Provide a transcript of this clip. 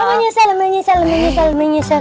saya menyesal menyesal menyesal menyesal